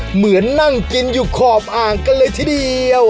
เหมือนนั่งกินอยู่ขอบอ่างกันเลยทีเดียว